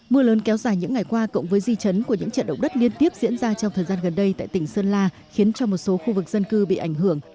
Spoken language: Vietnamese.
mưa lớn kéo dài những ngày qua cộng với di chấn của những trận động đất liên tiếp diễn ra trong thời gian gần đây tại tỉnh sơn la khiến cho một số khu vực dân cư bị ảnh hưởng